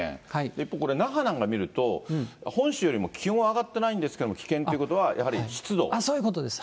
一方、これ那覇なんか見ると、本州よりも気温上がってないんですけれども、危険ということはやはそういうことです。